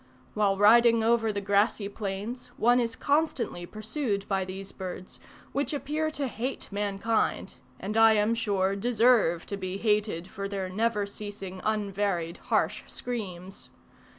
While riding over the grassy plains, one is constantly pursued by these birds, which appear to hate mankind, and I am sure deserve to be hated for their never ceasing, unvaried, harsh screams.